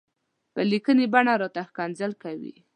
په ليکلې بڼه راته ښکنځل کوي.